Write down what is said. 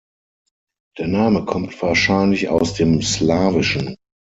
Der Name kommt wahrscheinlich aus dem Slawischen.